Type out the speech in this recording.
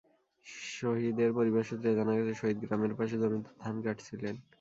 সহিদের পরিবার সূত্রে জানা গেছে, সহিদ গ্রামের পাশে জমিতে ধান কাটছিলেন।